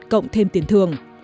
cộng thêm tiền thường